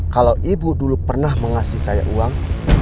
kalau ibu dulu pernah mengasih saya uang